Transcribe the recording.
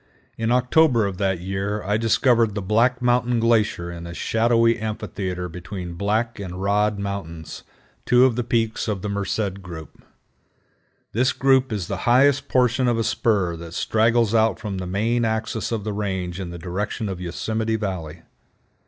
In October of that year I discovered the Black Mountain Glacier in a shadowy amphitheater between Black and Rod Mountains, two of the peaks of the Merced group. This group is the highest portion of a spur that straggles out from the main axis of the range in the direction of Yosemite Valley.